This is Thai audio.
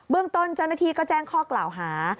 เรื่องต้นเจ้าหน้าที่ก็แจ้งข้อกล่าวหา